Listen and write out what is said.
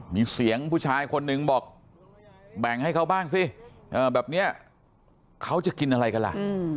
มีเสียงผู้ชายคนนึงบอกแบ่งให้เขาบ้างสิแบบนี้เขาจะกินอะไรกันล่ะ